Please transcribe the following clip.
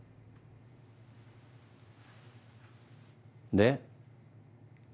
で？